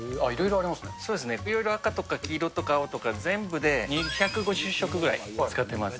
そうですね、いろいろ赤とか黄色とか、青とか、全部で２５０色ぐらい使ってます。